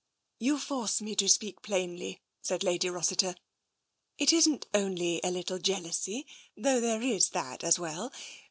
" You force me to speak plainly," said Lady Rossi ter. " It isn't only a little jealousy, though there is that as well.